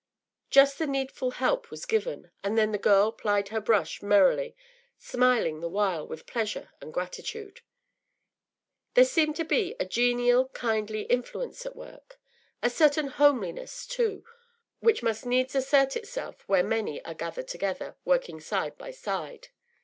Just the needful help was given, and then the girl plied her brush merrily, smiling the while with pleasure and gratitude. There seemed to be a genial, kindly influence at work, a certain homeliness too, which must needs assert itself where many are gathered together, working side by side.